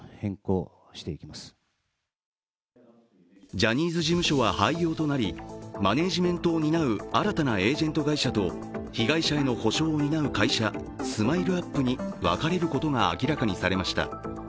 ジャニーズ事務所は廃業となりマネージメントを担う新たなエージェント会社と被害者への補償を担う会社、ＳＭＩＬＥ−ＵＰ．に分かれることが明らかにされました。